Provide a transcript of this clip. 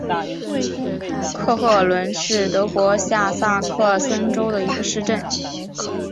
克赫伦是德国下萨克森州的一个市镇。